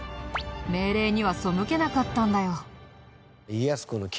命令には背けなかったんだよ。